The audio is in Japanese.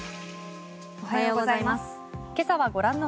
おはようございます。